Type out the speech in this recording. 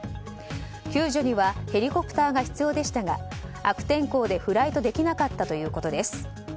救助にはヘリコプターが必要でしたが悪天候でフライトできなかったということです。